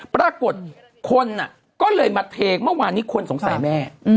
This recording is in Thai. ปรากฏคนก็เลยมาเทเมื่อวานนี้คนสงสัยแม่